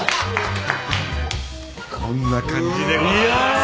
こんな感じでございます。